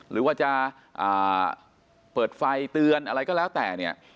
หรือว่าจะเปิดไฟเตือนอะไรก็แล้วแต่เนี่ย